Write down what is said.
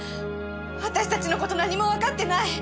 私たちの事何もわかってない。